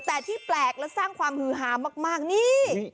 แต่ที่แปลกและสร้างความฮือฮามากนี่